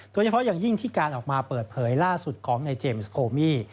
โดยเฉพาะอย่างยิ่งที่การออกมาเปิดเผยล่าสุดของในเจมส์โคมี่